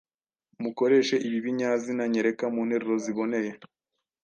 Mukoreshe ibi binyazina nyereka mu nteruro ziboneye: